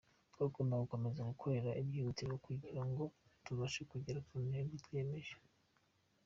Tugomba gukomeza gukora ibyihutirwa kugira ngo tubashe kugera ku ntego twiyemeje.